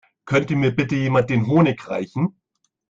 Könnte mir bitte jemand den Honig reichen?